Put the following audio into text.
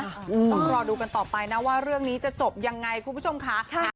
ต้องรอดูกันต่อไปนะว่าเรื่องนี้จะจบยังไงคุณผู้ชมค่ะ